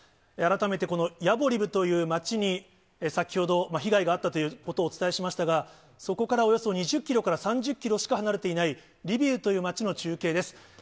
改めてこのヤボリブという街に、先ほど被害があったということをお伝えしましたが、そこからおよそ２０キロから３０キロしか離れていない、リビウという街の中継です。